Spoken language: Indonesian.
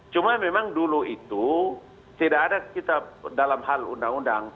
cuma memang dulu itu tidak ada kita dalam hal undang undang